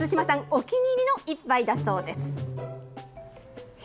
お気に入りの１杯だそうです。